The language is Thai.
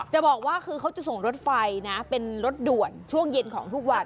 จะบอกว่าคือเขาจะส่งรถไฟนะเป็นรถด่วนช่วงเย็นของทุกวัน